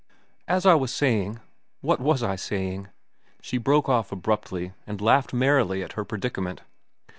"As I was saying—what was I saying?" She broke off abruptly and laughed merrily at her predicament.